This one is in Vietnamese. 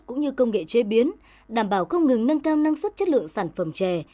công nghệ chế biến đảm bảo không ngừng nâng cao năng suất chất lượng sản phẩm chè